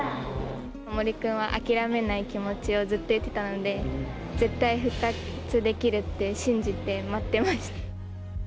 森君は諦めない気持ちをずっと言ってたので、絶対復活できるって信じて待ってました。